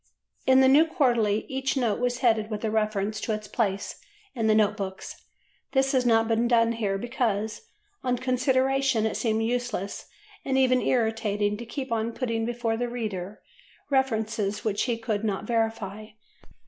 In the New Quarterly each note was headed with a reference to its place in the Note Books. This has not been done here because, on consideration, it seemed useless, and even irritating, to keep on putting before the reader references which he could not verify.